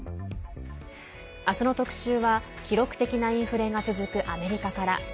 明日の特集は記録的なインフレが続くアメリカから。